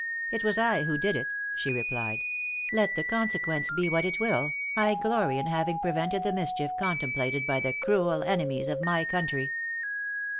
"It was I who did it," she replied. "Let the consequence be what it will, I glory in having prevented the mischief contemplated by the cruel enemies of my country."